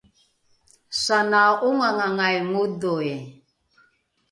sana’ongangangai ngodhoi